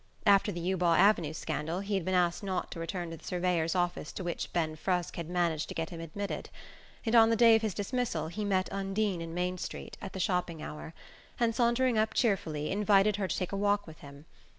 After the Eubaw Avenue scandal he had been asked not to return to the surveyor's office to which Ben Frusk had managed to get him admitted; and on the day of his dismissal he met Undine in Main Street, at the shopping hour, and, sauntering up cheerfully, invited her to take a walk with him.